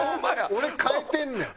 俺変えてんねん。